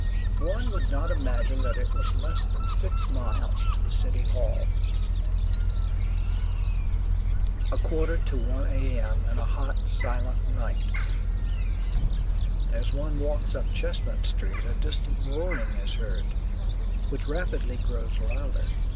One would not imagine that it was less than six miles to the City Hall. A quarter to one A. M., and a hot, silent night. As one walks up Chestnut Street a distant roaring is heard, which rapidly grows louder.